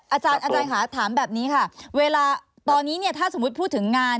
อาจารย์ค่ะถามแบบนี้ค่ะเวลาตอนนี้เนี่ยถ้าสมมุติพูดถึงงาน